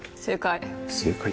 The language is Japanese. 正解。